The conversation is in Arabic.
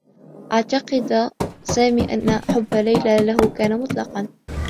اعتقد سامي أنّ حبّ ليلى له كان مطلقا.